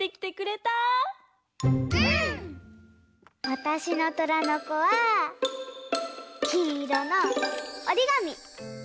わたしの「虎の子」はきんいろのおりがみ！